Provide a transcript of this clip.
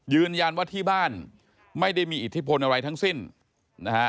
ยืนยันว่าที่บ้านไม่ได้มีอิทธิพลอะไรทั้งสิ้นนะฮะ